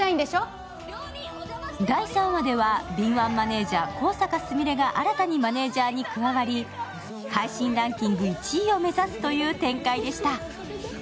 第３話では敏腕マネージャー、香坂すみれが新たにマネージャーに加わり配信ランキング１位を目指すという展開でした。